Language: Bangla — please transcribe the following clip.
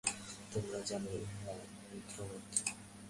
তোমরা জান, ইহা ভ্রান্তিমাত্র।